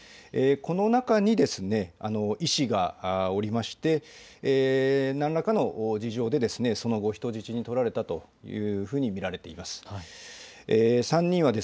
この中に医師がおりまして何らかの事情でその後人質に取られたというふうに見られています。